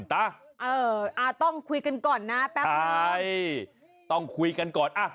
ต้องคุยกันก่อนนะแป๊บขอ